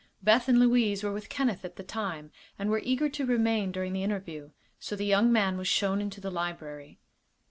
Beth and Louise were with Kenneth at the time, and were eager to remain during the interview, so the young man was shown into the library.